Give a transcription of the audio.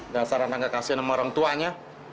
dasar anak anak kasian sama orang tuanya